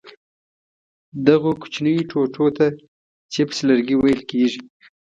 دغو کوچنیو ټوټو ته چپس لرګي ویل کېږي.